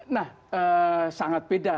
nah sangat beda